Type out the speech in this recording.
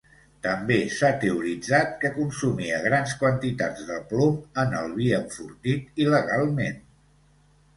També s'ha teoritzat que consumia grans quantitats de plom en el vi enfortit il·legalment.